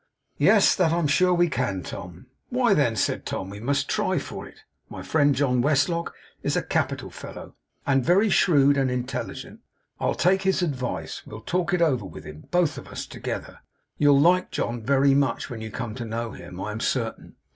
'Yes; that I am sure we can, Tom.' 'Why, then,' said Tom, 'we must try for it. My friend, John Westlock, is a capital fellow, and very shrewd and intelligent. I'll take his advice. We'll talk it over with him both of us together. You'll like John very much, when you come to know him, I am certain.